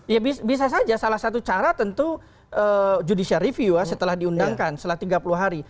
ya bisa saja salah satu cara tentu judicial review ya setelah diundangkan setelah tiga puluh hari